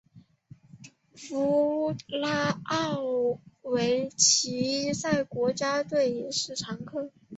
弗拉奥维奇在国家队也是常客。